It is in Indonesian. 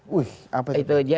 wih apa itu